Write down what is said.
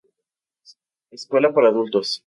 Escuela para adultos.